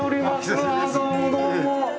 あどうもどうも。